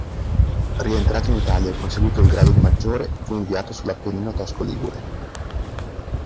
Rientrato in Italia e conseguito il grado di maggiore, fu inviato sull’Appennino tosco-ligure.